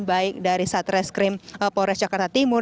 baik dari satreskrim polres jakarta timur